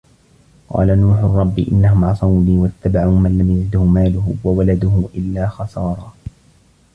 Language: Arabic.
قالَ نوحٌ رَبِّ إِنَّهُم عَصَوني وَاتَّبَعوا مَن لَم يَزِدهُ مالُهُ وَوَلَدُهُ إِلّا خَسارًا